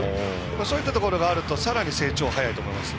そういったことをやるとさらに成長が早いと思います。